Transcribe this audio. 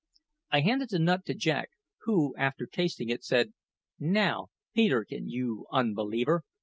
I handed the nut to Jack, who, after tasting it, said, "Now, Peterkin, you unbeliever!